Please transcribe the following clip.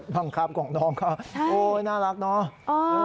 บังคับของน้องเขาโอ๊ยน่ารักเนาะ